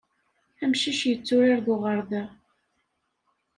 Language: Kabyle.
Amcic yetturar d uɣerda.